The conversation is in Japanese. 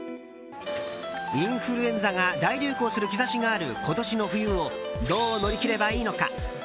インフルエンザが大流行する兆しがある今年の冬をどう乗り切ればいいのか？